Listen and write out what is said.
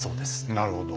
なるほど。